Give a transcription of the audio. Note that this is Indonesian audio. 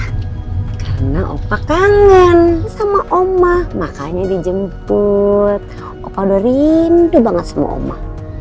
karena opa kangen sama oma makanya dijemput opa udah rindu banget sama oma